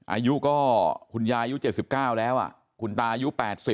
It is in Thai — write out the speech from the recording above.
อายุก็คุณยายุ๗๙แล้วคุณตาอายุ๘๐